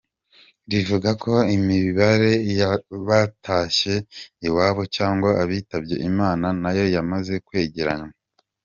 Rivuga ko imibare y’abatashye iwabo cyangwa abitabye Imana nayo yamaze kwegeranywa.